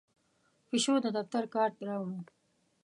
پیشو د دفتر کارت راوړ.